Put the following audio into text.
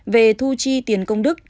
về thu chi tiền công đức